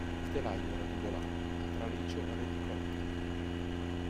Il telaio era tubolare a traliccio reticolato.